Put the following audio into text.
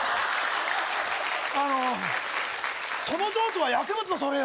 あのその情緒は薬物のそれよ